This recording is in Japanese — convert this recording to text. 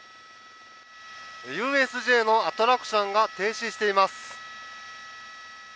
ＵＳＪのアトラクションが停止しています。